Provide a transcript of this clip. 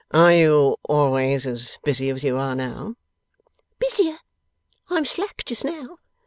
'Are you always as busy as you are now?' 'Busier. I'm slack just now.